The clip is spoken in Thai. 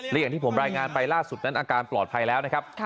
และอย่างที่ผมรายงานไปล่าสุดนั้นอาการปลอดภัยแล้วนะครับ